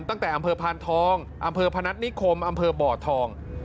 ตั้งแต่อำเภอพานทองอำเภอพนัฐนิคมอำเภอบ่อทอง